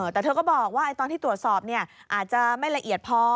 แต่เธอก็บอกว่าตอนที่ตรวจสอบอาจจะไม่ละเอียดพอ